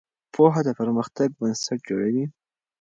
پوهه د پرمختګ بنسټ جوړوي.